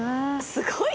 すごい。